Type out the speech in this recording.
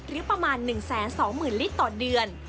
หรือประมาณ๑๒๐๐๐ลิตรต่อเดือน